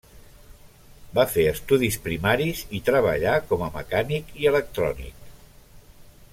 Va fer estudis primaris i treballà com a mecànic i electrònic.